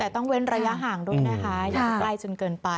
แต่ต้องเว้นระยะห่างด้วยนะคะอย่าใกล้จนเกินไป